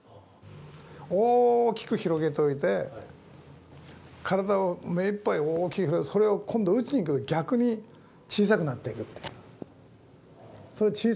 大きく広げておいて体を目いっぱい大きくそれを今度打ちにいく時逆に小さくなっていくっていう。